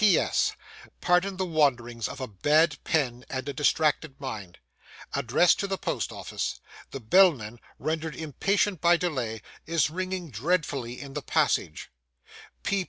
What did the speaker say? P.S. Pardon the wanderings of a bad pen and a distracted mind. Address to the Post office. The bellman, rendered impatient by delay, is ringing dreadfully in the passage.